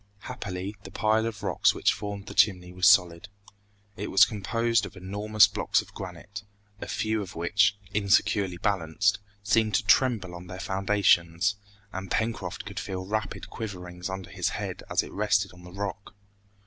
Happily the pile of rocks which formed the Chimneys was solid. It was composed of enormous blocks of granite, a few of which, insecurely balanced, seemed to tremble on their foundations, and Pencroft could feel rapid quiverings under his head as it rested on the rock.